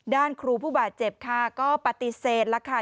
ครูผู้บาดเจ็บค่ะก็ปฏิเสธแล้วค่ะ